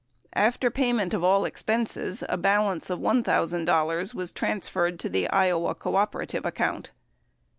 After payment of all expenses, a balance of $1,000 was trans ferred to the Iowa cooperative account.